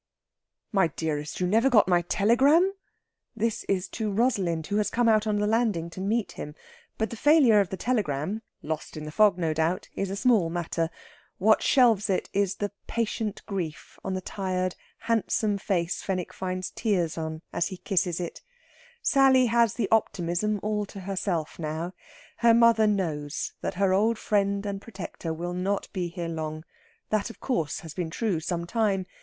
"My dearest, you never got my telegram?" This is to Rosalind, who has come out on the landing to meet him. But the failure of the telegram lost in the fog, no doubt is a small matter. What shelves it is the patient grief on the tired, handsome face Fenwick finds tears on as he kisses it. Sally has the optimism all to herself now. Her mother knows that her old friend and protector will not be here long that, of course, has been true some time.